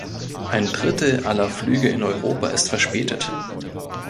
Ein Drittel aller Flüge in Europa ist verspätet.